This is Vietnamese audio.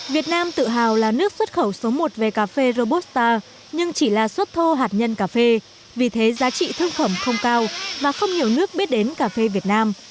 việt nam tự hào là nước xuất khẩu số một về cà phê robusta nhưng chỉ là xuất thô hạt nhân cà phê vì thế giá trị thương phẩm không cao và không nhiều nước biết đến cà phê việt nam